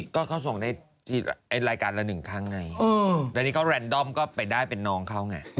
ก็เขาส่งได้รายการละ๑ครั้งไงแล้วนี้ก็แรนดอมก็ไปได้เป็นน้องเขาไง